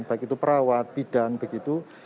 baik itu perawat bidan begitu